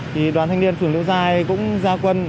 thì đoàn thanh niên phường liễu giai cũng ra quân